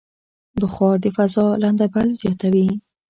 بخار د فضا لندبل زیاتوي.